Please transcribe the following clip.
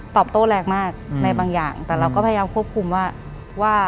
โต้แรงมากในบางอย่างแต่เราก็พยายามควบคุมว่าว่า